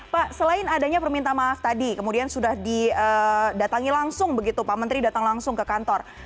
pak selain adanya permintaan maaf tadi kemudian sudah didatangi langsung begitu pak menteri datang langsung ke kantor